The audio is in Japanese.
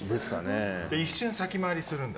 一瞬、先回りするんだ。